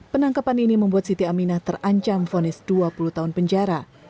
penangkapan ini membuat siti aminah terancam fonis dua puluh tahun penjara